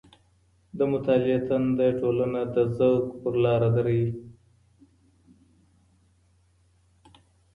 د مطالعې تنده ټولنه د ذوق پر لاره دروي.